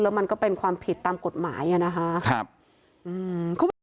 มันก็เป็นความผิดตามกฎหมายอ่ะนะคะครับ